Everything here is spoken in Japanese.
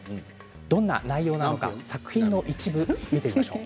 どんな内容なのか作品の一部を見てみましょう。